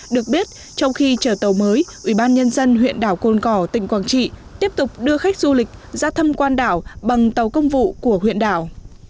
được biết trong khi chờ tàu mới ủy ban nhân dân huyện đảo côn cỏ tỉnh quang trị tiếp tục đưa khách du lịch ra thăm quan đảo bằng tàu công vụ của huyện đảo